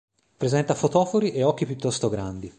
Presenta fotofori e occhi piuttosto grandi.